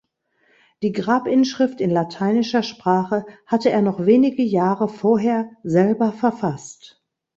Die Grabinschrift in lateinischer Sprache hatte er noch wenige Jahre vorher selber verfasst.